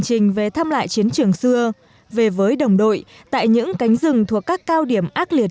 trình về thăm lại chiến trường xưa về với đồng đội tại những cánh rừng thuộc các cao điểm ác liệt